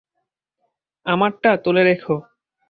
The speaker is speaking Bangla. আমারটা তুলে রেখো।